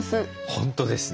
本当ですね。